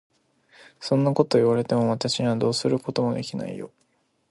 そんなことを言われても、私にはどうすることもできないよ。